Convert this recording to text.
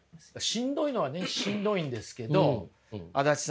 しんどいのはねしんどいんですけど足立さんがね